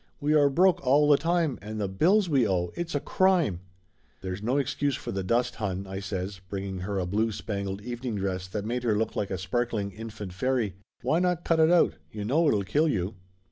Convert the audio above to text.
We are broke all the time, and the bills we owe! It's a crime!" "That's no excuse for the dust, hon," I says, bring ing her a blue spangled evening dress that made her look like a sparkling infant fairy. "Why not cut it out? You know it'll kill you!"